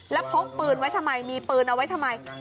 แล้วพกปืนไว้ทำไมมีปืนเอาไว้ทำไม